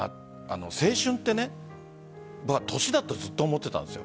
青春って年だと思っていたんです。